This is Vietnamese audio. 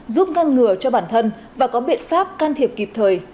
giúp ngăn ngừa cho bản thân và có biện pháp can thiệp kịp thời